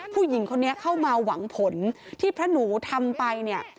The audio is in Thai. ผู้หญิงคนนี้เข้ามาหวังผลที่พระหนูทำไปเนี่ย